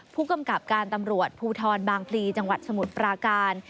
ผู้กำกับการตำรวจภูทรบางพลีจังหวัดสมุทรปราการ